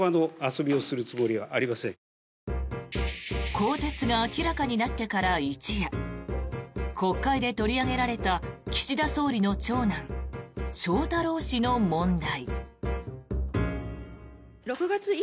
更迭が明らかになってから一夜国会で取り上げられた岸田総理の長男・翔太郎氏の問題。